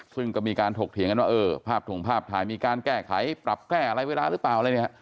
ซึ่งก็มีการถกเถียงกันว่าเออภาพถงภาพถ่ายมีการแก้ไขปรับแก้อะไรเวลาหรือเปล่าอะไรเนี่ย